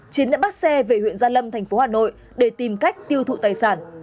chiến đã bắt xe về huyện gia lâm thành phố hà nội để tìm cách tiêu thụ tài sản